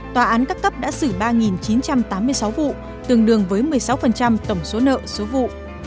tòa án các cấp đã xử ba chín trăm tám mươi sáu vụ tương đương với một mươi sáu tổng số nợ số vụ